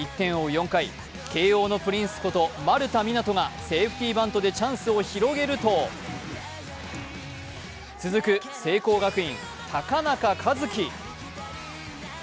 ４回、慶応のプリンスこと丸田湊斗がセーフティバントでチャンスを広げると、続く聖光学院・高中一樹。